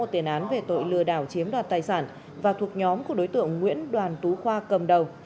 xin chào và hẹn gặp lại